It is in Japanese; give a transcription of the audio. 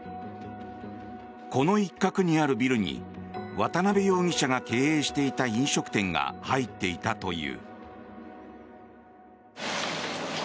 この一角にあるビルに渡邉容疑者が経営している飲食店が入っていたという。